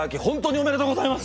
おめでとうございます。